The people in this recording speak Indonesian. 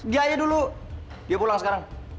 dia aja dulu dia pulang sekarang